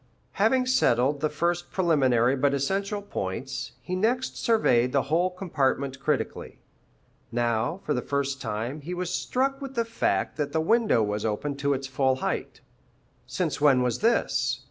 Having settled the first preliminary but essential points, he next surveyed the whole compartment critically. Now, for the first time, he was struck with the fact that the window was open to its full height. Since when was this?